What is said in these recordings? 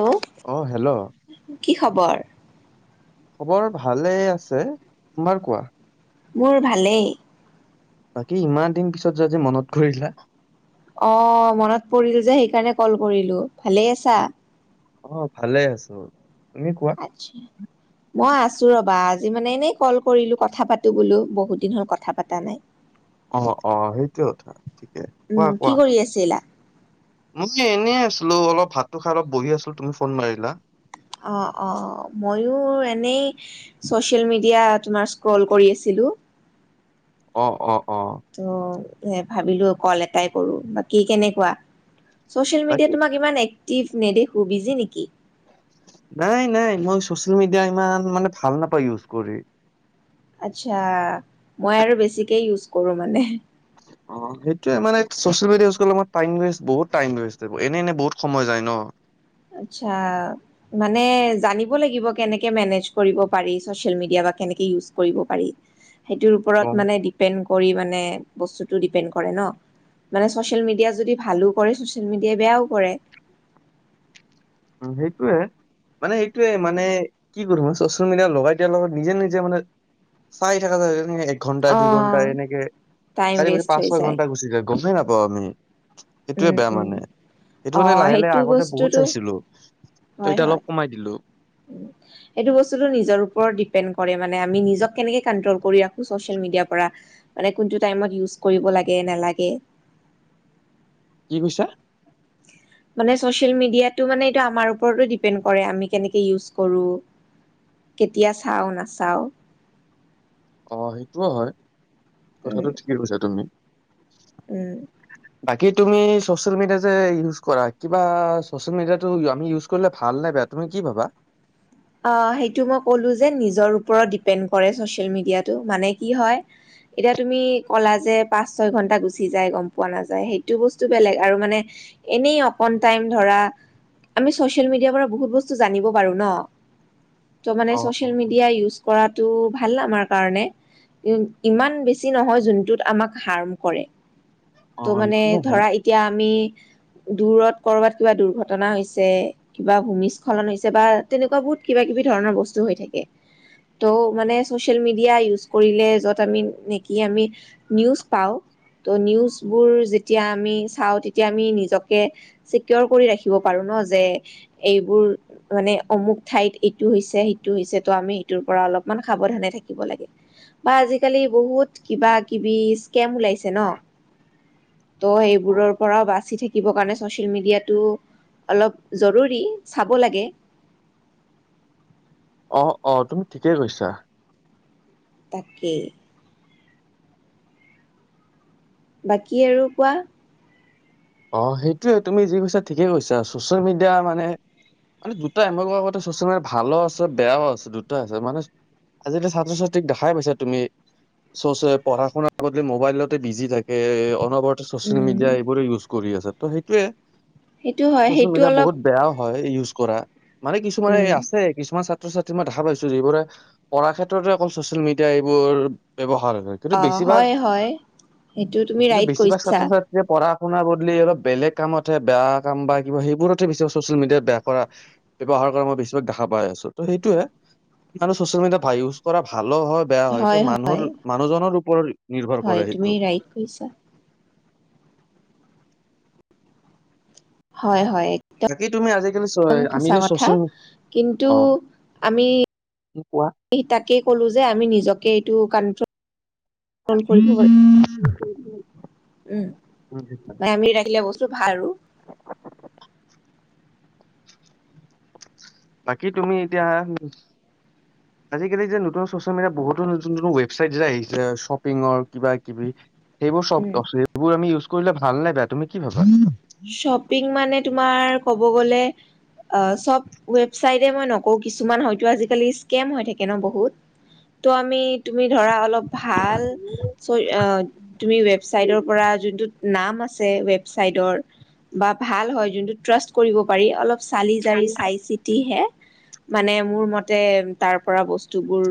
অ অ হেল্ল' কি খবৰ। খবৰ ভালে আছে তোমাৰ কোৱা? মোৰ ভালেই। বাকী ইমান দিন পিছত যে মনত কৰিলা। অ মনত পৰিল যে সেইকাৰণে কল কৰিলোঁ ভালেই আছা। অ ভালে আছোঁ। আচ্ছা মই আছোঁ ৰবা। আজি মানে এনেই কল কৰিলো কথা পাতোঁ বোলো বহুত দিন হ'ল কথা পাতা নাই। অ অ সেইটো কোৱা উম, কি কোৱা। কৰি আছিলা? মই এনেই আছিলোঁ অলপ ভাতটো খাই অলপ বহি আছিলোঁ তুমি ফোন মাৰিলা। অ অ ময়ো এনেই ছচিয়েল মিডিয়া তোমাৰ ইস্ক্ৰল কৰি আছিলোঁ। অ অ। অ ত এ ভাবিলোঁ কল এটাই কৰোঁ বাকি কেনেকুৱা। ছ'চিয়েল মিডিয়াত বাকী তোমাক ইমান এক টিপ নেদেখু বিজি নেকি নাই নাই মই চচিয়েল মিডিয়া ইমান মানে ভাল নাপাওঁ ইউজ কৰি। আচ্ছা মই আৰু বেছিকে ইউজ কৰোঁ মানে। অ সেইটোৱে মানে চচিয়েল মিডিয়া ইউজ কৰিলে টাইমৱেষ্ট বহুত টাইমৱেষ্ট এনে এনে বহুত সময় যায় ন। আচ্ছা মানে জানিব লাগিব কেনেকে মেনেজ কৰিব পাৰি চচিয়েল মিডিয়াত বা কেনেকে ইউজ কৰিব পাৰি। সেইটোৰ গম ওপৰত মানে ডিপেণ্ড। কৰি মানে বস্তুটো ডিপেণ্ড কৰে ন মানে ছ'চিয়েল মিডিয়া যদি ভালো কৰে ছ'চিয়েল মিডিয়াই বেয়াও কৰে। উম সেইটোৱে। মানে সেইটোয়ে উম মানে কি কৰিম। চচিয়েল মিডিয়া লগাই তেওঁলোকে নিজে নিজে মানে চাই থকা যায়। এক ঘণ্টাই অ দুই ঘণ্টা এনেকে টাইম চাৰি ৱেষ্ট পাঁচ হৈ ছয় যায় ঘণ্টা ঘুচি যায়। গমেই নাপাওঁ আমি। সেইটোয়ে উম বেয়া উম মানে সেইটো অ কাৰণে লাহে লাহে সেইটো আগতে বহুত বস্তুটো চাইছিলোঁ। ত এতিয়া অলপ কমাই দিলোঁ। টু এইটো বস্তু টো নিজৰ ওপৰত দিপেণ্ড কৰে মানে আমি নিজক কেনেকে কণ্ট্ৰল কৰি ৰাখোঁ চছিয়েল মিডিয়া পৰা মানে কোন টো টাইমত ইউছ কৰিব লাগে নালাগে। কি কৈছা। মানে ছচিয়েল মিডিয়াটো মানে এইটো আমাৰ ওপৰতো ডিপেণ্ড কৰে আমি কেনেকে ইউজ কৰোঁ কেতিয়া চাওঁ নাচাওঁ। অ সেইটোও হয়। কথাটো উম ঠিকে কৈছা তুমি। উম বাকী তুমি চচিয়েল মিডিয়া যে ইউজ কৰা কিবা চচিয়েল‌ মিডিয়াটো আমি ইউজ কৰিলে ভাল নাই বেয়া তুমি কি ভাবা। অ সেইটো মই কলো যে নিজৰ ওপৰত ডিপেণ্ড কৰে চচিয়েল মিডিয়াটো মানে কি হয় এতিয়া তুমি কলা যে পাঁচ ছয় ঘণ্টা গুচি যায় গম পোৱা নাযায়। সেইটো বস্তু বেলেগ আৰু মানে এনেই অকন টাইম ধৰা আমি চচিয়াল মিডিয়া পৰা বহুত বস্তু জানিব পাৰোঁ ন। ত' মানে অ অ ছচিয়েল মিডিয়া ইউজ। কৰাটো ভাল আমাৰ কাৰণে ইমান বেছি নহয় যোনটোত আমাক হাৰ্ম কৰে। অ ত' মানে এইটোও হয় ধৰা এতিয়া আমি। দূৰত কৰবাত কিবা দুৰ্ঘটনা হৈছে কিবা ভূমিস্খলন হৈছে বা তেনেকুৱা বহুত। কিবা কিবি ধৰণৰ বস্তু হৈ থাকে ত' মানে চচিয়েল মিডিয়া ইউজ কৰিলে য'ত আমি নেকি আমি নিউজ পাওঁ ত' নিউজবোৰ যেতিয়া আমি চাওঁ তেতিয়া আমি নিজকে চিকিয়ৰ কৰি ৰাখিব পাৰো ন যে এইবোৰ মানে অমুক। ঠাইত ইটো হৈছে সিটো হৈছে ত' আমি সেইটোৰ পৰা অলপমান সাৱধানে থাকিব লাগে বা আজিকালি বহুত কিবা কিবি স্কেম ওলাইছে ন ত সেইবোৰৰ পৰা বাছি থাকিব কাৰণে ছচিয়েল মিডিয়াটো অলপ জৰুৰি চাব লাগে। অ অ তুমি ঠিকেই কৈছা? তাকে বাকী আৰু কোৱা? অ সেইটোয়ে তুমি যি কৈছা ঠিকে কৈছা চচিয়েল মিডিয়া মানে মানে দুটাই এমক আগতে চচিয়েল মিডিয়া ভালো আছে বেয়াও আছে দুটাই আছে মানে আজিকালি ছাত্ৰ ছাত্ৰীক দেখাই পাইছা তুমি চ পঢ়া শুনাৰ বদলি মোবাইলতে বিজি থাকে অনবৰ। ছচিয়েল উম মিডিয়া এইবোৰে ইউজ। কৰি আছে ত সেইটোয়ে? সেইটো হয় ছচিয়েল সেইটো মিডিয়া অলপ। বহুত বেয়াও হয় ইউজ কৰা। মানে কিছুমানে উম আছে কিছুমান ছ। ছাত্ৰ ছাত্ৰী মই দেখা পাইছো যিবোৰে পঢ়া ক্ষেত্ৰতে অকল ছচিয়েল মিডিয়া এইবোৰ ব্যৱহাৰ। হয় হয় কিন্তু অ বেছিভাগ হয় হয় সেইটো তুমি কিন্তু ৰাইট বেছিভাগ কৈছা ছাত্ৰ ছাত্ৰীয়ে পঢ়া। শুনা বহুত অলপ বেলেগ কামত হে বেয়া কাম বা কিবা সেইবোৰতে বেছ চচিয়েল মিডিয়াত বেয়া কৰা ব্যৱহাৰ কৰা মই বেছি ভাগ দেখা পাই আছো ত সেইটোয়ে মানে চচিয়েল মিডিয়াত ভাল ইউজ কৰা ভাল। হল হয় বেয়া হয়টো হয় মানুহৰ হয় মানুহজনৰ। পৰলি। হয় তুমি ৰাইট কৈছা? হয় হয় জাকি তুমি আজি। একদম সঁচা কথা কিন্তু অ আমি। কোৱা স তাকেই কলো যে আমি নিজকে। টো কণ্ট্ৰল। প উম আমি ৰাখিলে বস্তু ভাল আৰু। বাকী তুমি এতিয়া আজিকালি যে নতুন চচিয়েল মিডিয়া বহুতো নতুন নতুন ৱেবচাইট যে আহিছে শ্বপিংৰ কিবা কিবি। সেইবোৰ চব উম সেই বোৰ আমি ইউজ। কৰিলে ভাল নাই বেয়া তুমি কি ভাবা। শ্বপিং মানে তোমাৰ। ক'ব গ'লে চব ৱেবচাইট মই নকওঁ কিছুমান হয়তো আজিকালি স্কেম হৈ থাকে ন বহুত ত' আমি তুমি ধৰা অলপ। ভাল চ তুমি ৱেবচাইটৰ পৰা যোনটো। নাম আছে ৱেবচাইটৰ। বা ভাল হয় যোনটো ট্ৰাষ্ট কৰিব পাৰি অলপ। চালি জাৰি চাই চিতিহে। মানে মোৰ মতে তাৰ পৰা বস্তুবোৰ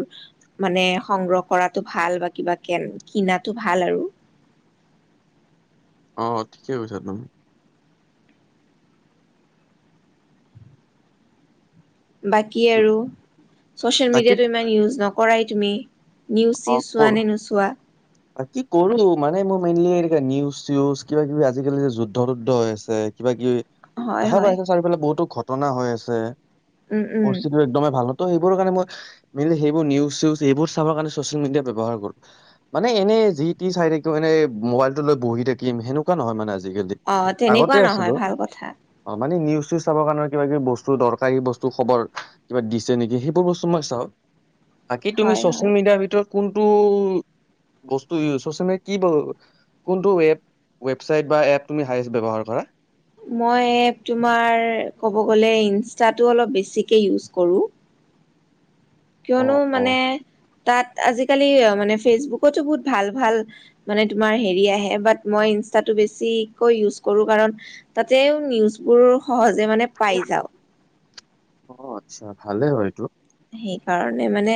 মানে সংগ্ৰহ কৰাটো ভাল বা কিবা কে কিনাটো ভাল আৰু। অ ঠিকে কৈছা তুমি। বাকী আৰু ছ'চিয়েল বাকী মিডিয়াটো ইমান ইউজ নক কৰাই তুমি নিওচ-চিওচ চোৱা নে নোচোৱা? কি কৰো মানে মোৰ মেইনলি এনে নিউজ-চিউজ কিবা কিবি আজিকালি যে যুদ্ধযুদ্ধ হৈ আছে কিবা-কিবি হয় দেখা হয় পাইছে চাৰিওফালে বহুতো ঘট ঘটনা হৈ আছে। উম উম পৰিস্থিতি একদমেই ভাল ত' সেইবোৰৰ কাৰণে মই ম সেইবোৰ নিউজ চিউজ এইবোৰ চাব কাৰণে চচিয়েল মিডিয়া ব্যৱহাৰ কৰো। মানে এনে যি টি চাই থাকিম এনেই মোবাইলটো লৈ বহি থাকিম সেনেকুৱা নহয় মানে আজ অ তেনেকুৱা নহয় ভাল কথা। অ মানে নিউজ চিউজ চাবৰ কাৰণে কিবা কিবি বস্তু দৰকাৰী বস্তু খবৰ কিবা দিছে নেকি সেইবোৰ বস্তু মই চাওঁ। বাকী তুমি হয় হয় চ'চিয়েল মিডিয়াৰ ভিতৰত কোনটো বস্তু ইউচ চচিয়েল মে কি কোনটো ৱেব ৱেবচাইট বা এপ তুমি হাইচ ব্যৱহাৰ কৰা? মই এপ তোমাৰ ক'ব গ'লে ইনষ্টাটো অলপ বেছিকে ইউজ কৰোঁ। কিয়নো অ', মানে অ', তাত আজিকালি মানে ফেচবুকতো বহুত ভাল-ভাল মানে তোমাৰ হেৰি আহে বাট মই ইনষ্টাটো বেছিকৈ ইউজ কৰো কাৰণ তাতেও নিউজ বোৰ সহজ যে মানে পাই যাও। অ আচ্ছা ভালে হয় এইটো। সেইকাৰণে মানে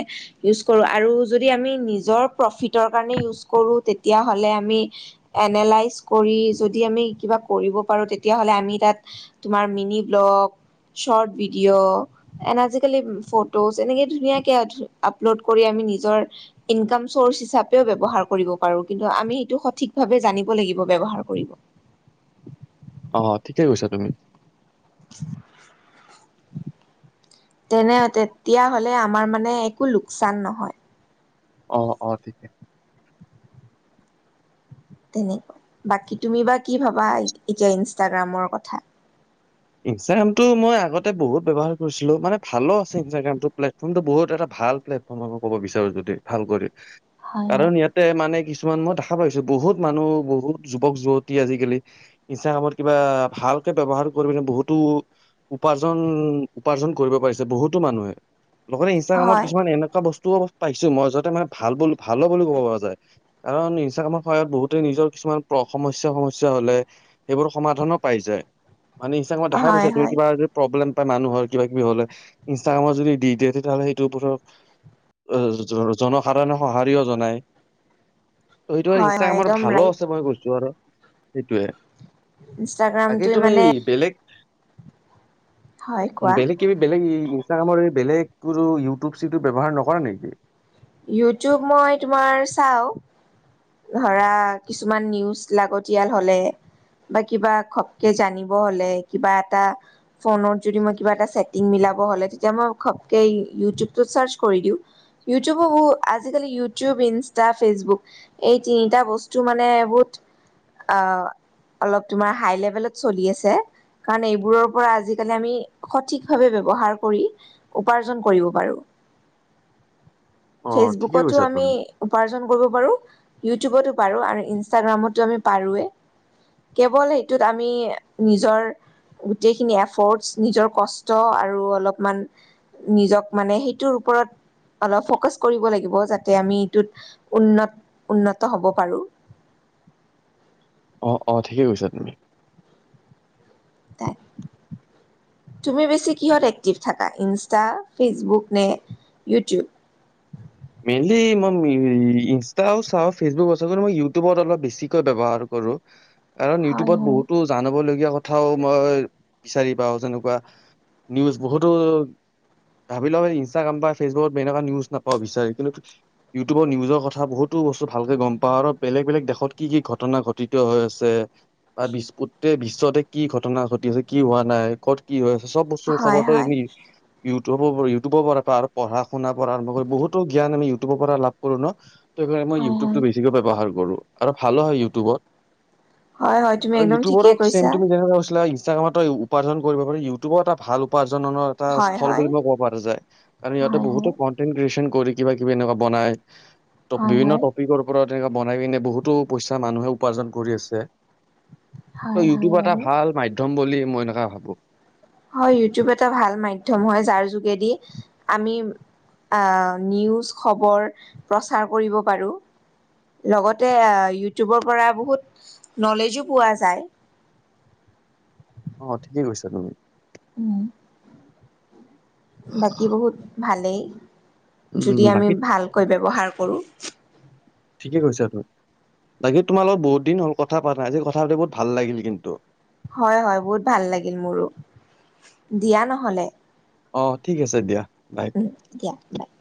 ইউজ কৰো আৰু যদি আমি নিজৰ প্ৰফিট ৰ কাৰণে ইউজ কৰোঁ তেতিয়া হলে আমি এনেলাইজ কৰি যদি আমি কিবা কৰিব পাৰো তেতিয়া হলে আমি তাত তোমাৰ মিনি ব্লগ, চৰ্ট ভিডিঅ' এন আজি কালি প [unintelligible] এনেকে ধুনীয়াকে আপলোড কৰি আমি নিজৰ ইনকাম সৌৰ্চ হিচাপে ব্যৱহাৰ কৰিব পাৰো কিন্তু আমি হেতু সঠিক ভাবে জানিব লাগিব ব্যৱহাৰ কৰিব। অ ঠিকে কৈছা তুমি। তেনে তেতিয়া হলে আমাৰ মানে একো লোকচান নহয়। অহ-অহ ঠিকে। তেনেকুৱা বাকী তুমি বা কি ভাবা এতিয়া ইনষ্টাগ্ৰামৰ কথা? ইনষ্টাগ্ৰামটো মই আগতে বহুত ব্যৱহাৰ কৰিছিলো মানে ভালো আছে ইনষ্টাগ্ৰামতটো প্লেটফৰ্মটো বহুত এটা ভাল প্লেটফৰ্মৰই ক'ব বিচাৰো যদি ভাল কৰি। হয় হয়। কাৰণ ইয়াতে মানে কিছু কিছুমান মই দেখা পাইছো বহুত মানুহ বহুত যুৱক যুৱতী আজিকালি ইনষ্টাগ্ৰামত কিবা ভালকে ব্যৱহাৰ পিনে বহুতো উপাৰ্জন-উপাৰ্জন কৰিব পাৰিছে বহুতো মানুহে লগতে ইনষ্টাগ্ৰামত হয় কিছুমান এনেকুৱা বস্ত পাইছো মই যতে মানে ভাল ভালো বুলি ক'ব পৰা যায়। কাৰণ ইনষ্টাগ্ৰামৰ সহায়ত বহুতে নিজৰ কিছুমান সমস্যা-সমস্যা হলে সেইবোৰ সমাধানো পাই যায়। মানে ইনষ্টাগ্ৰামত দেখাই পাইচা হয় তুমি হয় কিবা প্ৰব্লেম মানুহৰ কিবা কিবি হলে ইনষ্টাগ্ৰামত যদি দি দিয়ে তেতিয়াাহ'লে সেইটোৰ ওপৰত জনসাধাৰণে সঁহাৰিও জনায়। ত সেইটো আৰু হয় হয় ইনষ্টাগ্ৰামত একদম ভালো ৰাইট আছে বাৰু কৈছো আৰু। সেইটোয়ে ইনষ্টাগ্ৰাম তুমি বেলেগ হয় কোৱা বেলেগিব বেলেগেই ইনষ্টাগ্ৰামত এই বেলেগ কোনো ইউটিউব চিউটিউব ব্যৱহাৰ নকৰা নেকি ইউটিউব মই তোমাৰ চাওঁ, ধৰা কিছুমান নিউজ লাগতিয়াল হ'লে বা কিবা খপকে জানিব হ'লে কিবা এটা ফোনত যদি মই কিবা এটা ছেটিং মিলাব হ'লে তেতিয়া মই খবকে ইউটিউবটোত চাৰ্চ কৰি দিওঁ আজিকালি ইউটিউব, ইনষ্টা, ফেচবুক এই তিনিটা বস্তু মানে বহুত অলপ তোমাৰ হাই লেভেলত চলি আছে কাৰণ এইবোৰৰ পৰা আজিকালি আমি সঠিকভাৱে ব্যৱহাৰ কৰি উপাৰ্জন কৰিব পাৰো অ ঠিকে ফেচবুকতো কৈছা আমি তুমি উপাৰ্জন কৰিব পাৰো ইউটিউবতো পাৰোঁ আৰু ইনষ্টাগ্ৰামতো আমি পাৰোৱেই কেৱল সেইটোত আমি নিজৰ গোটেইখিনি এফৰ্টছ নিজৰ কষ্ট আৰু অলপমান নিজক মানে সেইটোৰ ওপৰত অলপ ফ'কাচ কৰিব লাগিব যাতে আমি এইটোত উন্নত উন্নত হ'ব পাৰোঁ অ অ ঠিকেই কৈছা তুমি তুমি বেছি কিহত এক্টিভ থাকা ইনষ্টা ফেচবুক নে ইউটিউব? মেইনলি মই ইনষ্টাও চাওঁ ফেচবুকো চাওঁ কিন্ত মই ইউটিউবত অলপ বেছিকৈ বৱহাৰ কৰোঁ। কাৰণ হয় ইউটিউবত হয়। বহুতো জানাব লাগ কথাও মই বিচাৰি পাওঁ যেনেকুৱা নিউজ বহুতো ভাবি লও ইনষ্টাগ্ৰাম বা ফেচবুকত এনেকুৱা নিউজ নাপাওঁ বিচাৰি কিন্তু ইউটিউবৰ নিউজৰ কথা বহুতো বস্তু ভালকে গম পাওঁ আৰু বেলেগ বেলেগ দেশত কি কি ঘটনা ঘটিত হৈ আছে বা বিশ গোটেই বিশ্বতে কি ঘটনা ঘটি আছে কি হোৱা নাই ক'ত কি হৈ আছে চব বস্তুৰ খবৰ হয় ত হয়। নি ইউটিউবৰ ইউটিউবৰ পৰা পঢ়া শুনা পৰা আৰম্ভ কৰি বহুত। জ্ঞান আমি ইউটিউবৰ পৰা লাভ কৰো ন। সেই কাৰণ মই হয় হয়। ইউটিউবটো বেছিকৈ ব্যৱহাৰ কৰোঁ। আৰু ভালো হয় ইউটিউবত। হয় হয় তুমি একদম ঠিকে কৈছা ইষ্টাগ্ৰামতে উপাৰ্জন কৰিব পাৰে ইউটিউবৰ এটা ভাল উপাৰ্জন। উপাৰ্জন এটা হয় হূল হয়। বুলি কৰিব পৰা যায় আৰু সিহঁতে হয় বহুতো হয় কটেন কিৰিচন কৰি কিবা কিবি এনেকুৱা বনাই। হয় বিভিন্ন হয় টপিকৰ ওপৰত তেনেকুৱা বনাই পিনে বহুতো পইচা মানুহে উপাৰ্জন কৰি আছে। হয় ত হয় ইউটিউব এটা বাৰু। ভাল মাধ্যম। বুলি মই এনেকুৱা ভাবোঁ হয় ইউটিউব এটা ভাল মাধ্যম হয় যাৰ যোগেদি আমি নিউজ খবৰ প্ৰচাৰ কৰিব পাৰোঁ লগতে ইউটিউবৰ পৰা বহুত নলেজো পোৱা যায়। অ ঠিকেই কৈছা তুমি। উম বাকী বহুত ভালেই উম যদি উম আমি বাকী ভালকৈ ব্যৱহাৰ কৰোঁ। ঠিকে কৈছা ত বাকী তোমাৰ লগত বহুত দিন হ'ল কথা পাত নাই আজি কথা পাতি বহুত ভাল লাগিল কিন্তু। হয় হয় বহুত ভাল লাগিল মোৰো দিয়া নহ'লে অ ঠিক আছে দিয়া বাই। উম দিয়া বাই